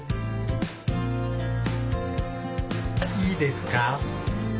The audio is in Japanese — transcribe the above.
いいですか？